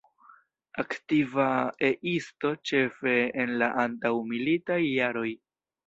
Aktiva E-isto ĉefe en la antaŭmilitaj jaroj.